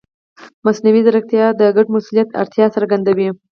مصنوعي ځیرکتیا د ګډ مسؤلیت اړتیا څرګندوي.